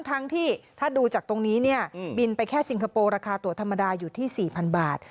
ทั้งที่ถ้าดูจากตรงนี้เนี่ยบินไปแค่สิงคโปร์ราคาตัวธรรมดาอยู่ที่๔๐๐บาท